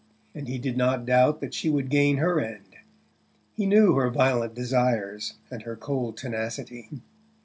And he did not doubt that she would gain her end: he knew her violent desires and her cold tenacity.